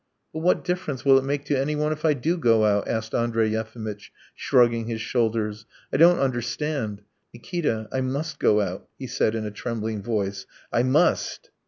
"But what difference will it make to anyone if I do go out?" asked Andrey Yefimitch, shrugging his shoulders. "I don't understand. Nikita, I must go out!" he said in a trembling voice. "I must."